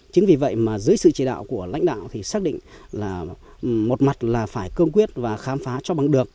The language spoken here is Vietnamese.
chính vì vậy mà dưới sự chỉ đạo của lãnh đạo thì xác định là một mặt là phải cương quyết và khám phá cho bằng được